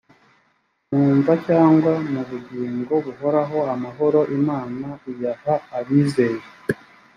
mumva cyangwa mubugingo buhoraho amahoro imana iyaha abizeye